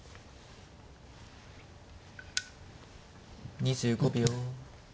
２５秒。